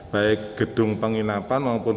baik gedung penginapan maupun